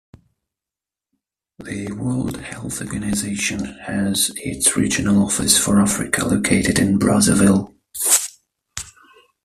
The World Health Organization has its regional office for Africa located in Brazzaville.